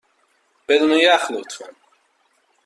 بدون یخ، لطفا.